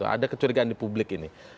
ada kecurigaan di publik ini